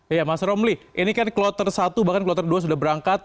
iya mas romli ini kan kloter satu bahkan kloter dua sudah berangkat